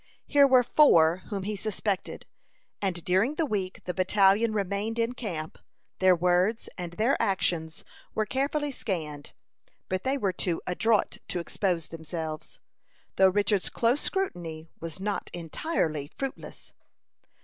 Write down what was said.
Here were four whom he suspected, and during the week the battalion remained in camp, their words and their actions were carefully scanned; but they were too adroit to expose themselves, though Richard's close scrutiny was not entirely fruitless.